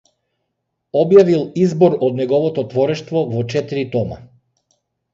Објавил избор од неговото творештво во четири тома.